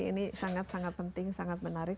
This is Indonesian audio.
ini sangat sangat penting sangat menarik